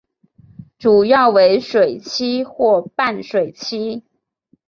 主要为水栖或半水栖。